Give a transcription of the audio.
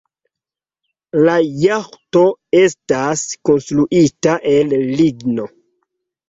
La jaĥto estas konstruita el ligno.